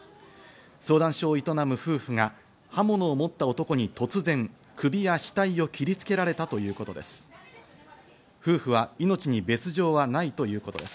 相談所を営む夫婦が刃物を持った男に突然、クビや額などを切りつけられたということです。